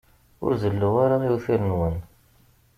Ur zelluɣ ara iwtal-nwen.